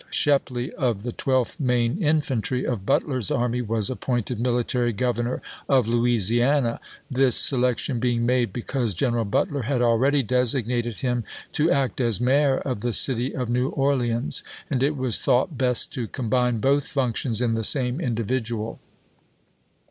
Shepley (of the 12th Maine Infantry) of Butler's army was ap pointed military governor of Louisiana, this se lection being made because General Butler had ButiM , already designated him to act as mayor of the city 1862. w R. of New Orleans, and it was thought best to com p. 471. ' i3ii2e both functions in the same individual.